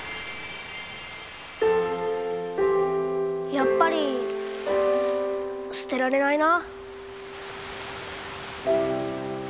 やっぱりすてられないな。